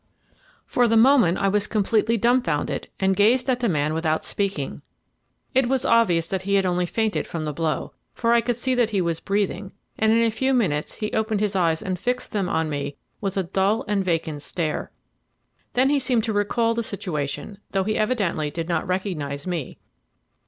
For the moment I was completely dumbfounded, and gazed at the man without speaking. It was obvious that he had only fainted from the blow, for I could see that he was breathing, and in a few minutes he opened his eyes and fixed them on me with a dull and vacant stare. Then he seemed to recall the situation, though he evidently did not recognise me.